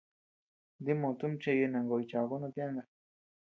Dimoo tumi cheye nankoʼoy chaku no tienda.